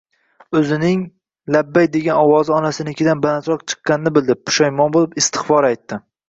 Oʻzining «labbay» degan ovozi onasinikidan balandroq chiqqanini bildi, pushaymon boʻlib, istigʻfor aytdi